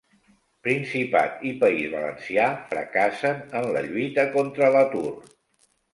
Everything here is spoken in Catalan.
Principat i País Valencià fracassen en la lluita contra l'atur